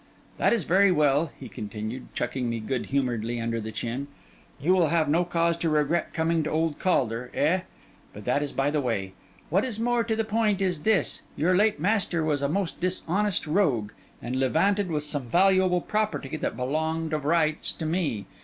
'That is very well,' he continued, chucking me good humouredly under the chin. 'You will have no cause to regret coming to old Caulder, eh? But that is by the way. What is more to the point is this: your late master was a most dishonest rogue, and levanted with some valuable property that belonged of rights to me.